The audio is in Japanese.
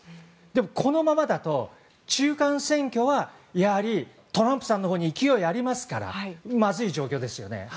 でも、このままだと中間選挙はやはりトランプさんのほうに勢いがありますからまずい状況ですよね。